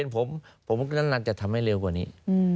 ผมรันจะทำให้เร็วกว่านี้